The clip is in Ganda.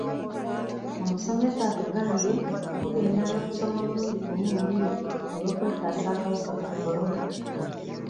Omusomesa atugambye tugendanga kusoma omulundi gumu mu wiiki olw'okwetaasa akawuka ka Corona.